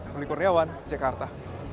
melikur nyawan jakarta